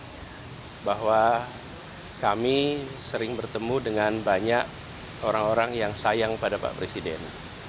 kita disampaikan kepada beliau bahwa kami sering bertemu dengan banyak orang orang yang sayang kepada pak presiden